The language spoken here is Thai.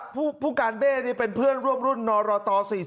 พ่อผู้การไเป้เป็นเพื่อนร่วมรุ่นนรรต๔๗